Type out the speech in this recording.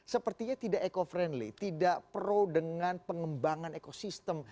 sepertinya tidak eco friendly tidak pro dengan pengembangan ekosistem